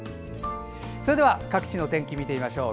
それでは各地のお天気、見てみましょう。